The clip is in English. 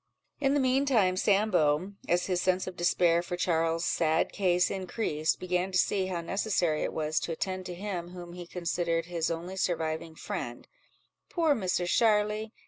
In the mean time, Sambo, as his sense of despair for Charles's sad case increased, began to see how necessary it was to attend to him whom he considered his only surviving friend—"Poor Misser Sharly!